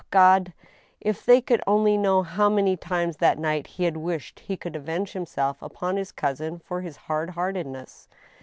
Ah, God I ^if they could only know how many times that night he had wished he could avenge himself upon his cousin for his hard heartedness